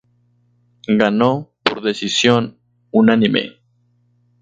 Ganó por decisión unánime.